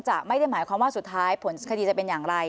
ไม่ได้หมายความว่าสุดท้ายผลคดีจะเป็นอย่างไร